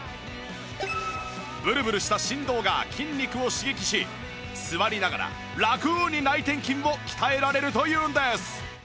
ブルブルした振動が筋肉を刺激し座りながらラクに内転筋を鍛えられるというんです